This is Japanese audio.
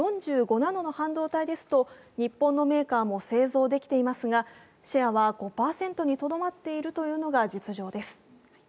ナノですと日本のメーカーも製造できていますが、シェアは５％にとどまっているというのが実情です。